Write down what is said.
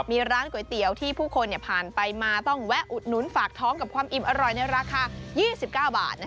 มีร้านก๋วยเตี๋ยวที่ผู้คนผ่านไปมาต้องแวะอุดหนุนฝากท้องกับความอิ่มอร่อยในราคา๒๙บาท